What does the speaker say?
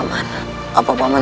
tetapi tidak fans